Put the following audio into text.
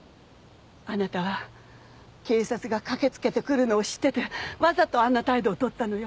あなたは警察が駆け付けてくるのを知っててわざとあんな態度を取ったのよ。